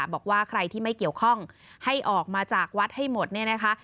บอกว่าใครที่ไม่เกี่ยวข้องให้ออกมาจากวัดให้หมดเนี่ยนะคะ